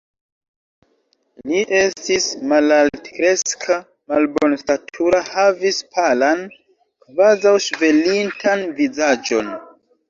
Li estis malaltkreska, malbonstatura, havis palan, kvazaŭ ŝvelintan, vizaĝon.